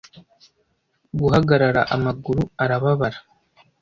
guhagarara amaguru arababara